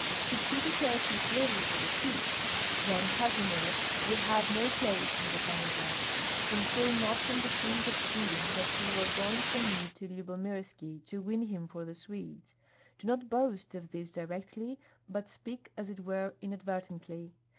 Should he declare sincerely for the Swedes, Yan Kazimir would have no place in the Commonwealth. Conceal not from the King of Sweden that you are going from me to Lyubomirski to win him for the Swedes. Do not boast of this directly, but speak as it were inadvertently.